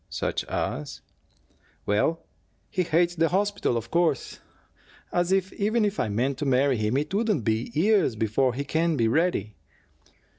"Such as " "Well, he HATES the hospital, of course. As if, even if I meant to marry him, it wouldn't be years before he can be ready."